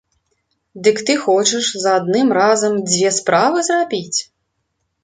Дык ты хочаш за адным разам дзве справы зрабіць?